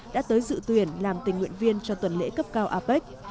đã tới dự tuyển làm tình nguyện viên cho tuần lễ cấp cao apec